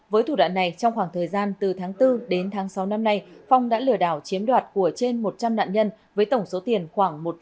với thủ đoạn này trong khoảng thời gian từ tháng bốn đến tháng sáu năm nay phong đã lừa đảo chiếm đoạt của trên một trăm linh nạn nhân với tổng số tiền khoảng một trăm linh triệu đồng